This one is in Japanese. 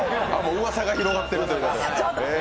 うわさが広がってるということで。